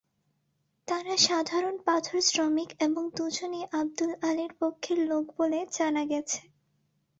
তাঁরা সাধারণ পাথরশ্রমিক এবং দুজনই আবদুল আলীর পক্ষের লোক বলে জানা গেছে।